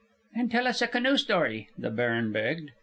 "Then tell us a canoe story," the baron begged.